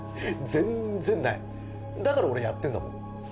「全然ないだから俺やってんだもん」